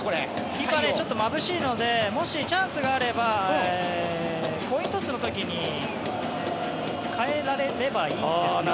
キーパーちょっとまぶしいのでチャンスがあればコイントスの時に変えられればいいんですが。